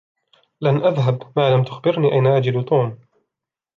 لن أذهب ما لم تخبرني أين أجد توم.